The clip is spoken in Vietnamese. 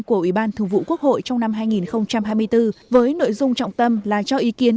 của ủy ban thường vụ quốc hội trong năm hai nghìn hai mươi bốn với nội dung trọng tâm là cho ý kiến